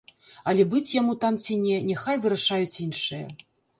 Але быць яму там ці не, няхай вырашаюць іншыя.